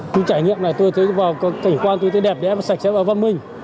trải nghiệm này tôi thấy vào cảnh quan tôi thấy đẹp đẹp và sạch sẽ và văn minh